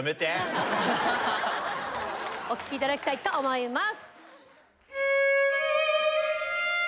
お聴きいただきたいと思います。